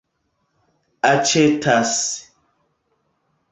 aĉetas